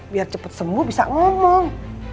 biar cepat sembuh bisa ngomong